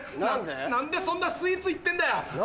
何でそんなスイーツいってんだよ。